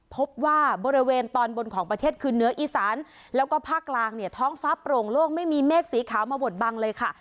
พบว่าบริเวณตอนบนของประเทศคือเนื้ออีสานแล้วก็ภาคกลางเนี่ยท้องฟ้าโปร่งโล่งไม่มีเมฆสีขาวมาบดบังเลยค่ะ